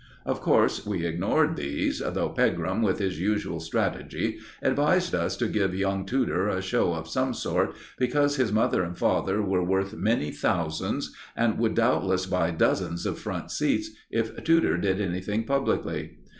Of course, we ignored these, though Pegram, with his usual strategy, advised us to give young Tudor a show of some sort, because his mother and father were worth many thousands, and would doubtless buy dozens of front seats if Tudor did anything publicly.